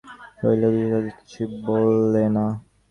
কুমু অনেকক্ষণ চুপ করে বসে রইল, বিপ্রদাসও কিছু বললে না।